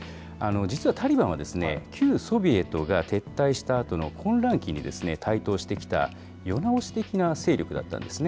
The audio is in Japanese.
実はタリバンは、旧ソビエトが撤退したあとの混乱期に台頭してきた、世直し的な勢力だったんですね。